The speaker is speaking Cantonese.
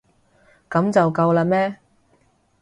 噉就夠喇咩？